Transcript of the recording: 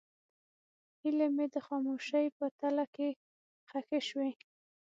هیلې مې د خاموشۍ په تله کې ښخې شوې.